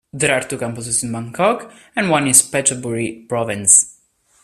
There are two campuses in Bangkok, and one in Phetchaburi Province.